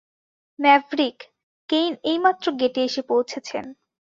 Maverick, Kane এইমাত্র গেটে এসে পৌঁছেছেন।